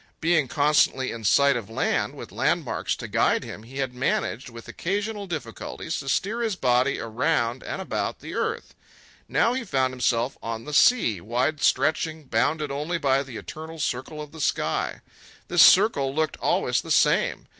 Being constantly in sight of land, with landmarks to guide him, he had managed, with occasional difficulties, to steer his body around and about the earth. Now he found himself on the sea, wide stretching, bounded only by the eternal circle of the sky. This circle looked always the same.